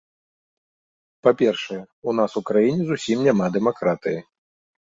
Па-першае, у нас у краіне зусім няма дэмакратыі.